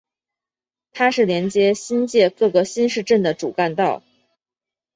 它是连接新界各个新市镇的主干道。